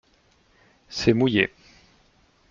C’est mouillé.